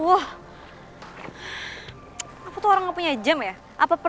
gue gak mau persahabatan kita rusak tau